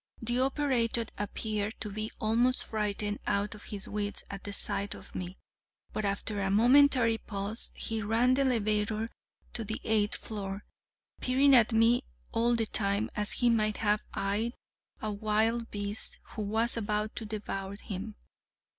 The operator appeared to be almost frightened out of his wits at the sight of me, but after a momentary pause he ran the elevator to the eighth floor, peering at me all the time as he might have eyed a wild beast who was about to devour him.